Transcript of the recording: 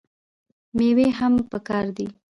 میوې هم پکار دي.